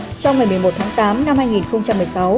trong ngày một mươi một tháng tám năm hai nghìn một mươi sáu